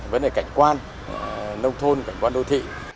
vấn đề cảnh quan nông thôn cảnh quan đô thị